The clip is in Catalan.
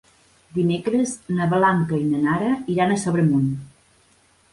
Dimecres na Blanca i na Nara iran a Sobremunt.